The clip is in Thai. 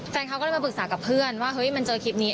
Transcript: แฟนเขาก็เลยมาปรึกษากับเพื่อนว่าเฮ้ยมันเจอคลิปนี้